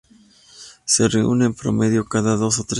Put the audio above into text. Se reúne en promedio cada dos o tres años.